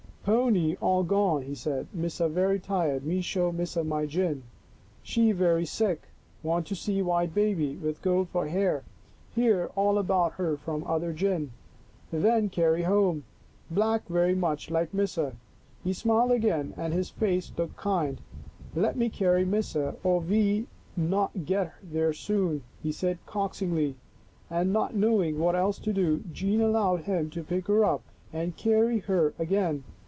" Pony all gone," he said. " Missa very tired, me show Missa my gin. She very sick, want to see white baby, with gold for hair. Hear all about her from other gin. Then carry home. Black very much like Missa." He smiled again and his face looked kind. " Let me carry Missa or we not get there soon," he said coaxingly, and not knowing what else to do Jean allowed him to pick her up and carry her again.